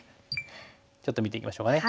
ちょっと見ていきましょうかね。